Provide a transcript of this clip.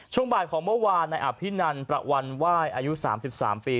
ช่วงบ่ายของเมื่อวานในอภินันประวันไหว้อายุ๓๓ปี